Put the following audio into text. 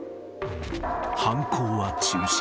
犯行は中止。